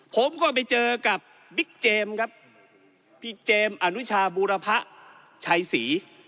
ผมก็ไปเจอกับบิ๊กเจมส์ครับบิ๊กเจมส์อนุชาบูรพะชัยศรี